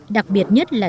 đặc biệt nhất là